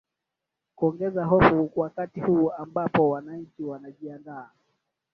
kuongeza hofu wakati huu ambapo wananchi wanajiandaa